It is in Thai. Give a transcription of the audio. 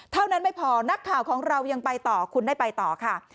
เท่านั้นไม่พอนักข่าวของเรายังไปต่อคุณได้ไปต่อค่ะ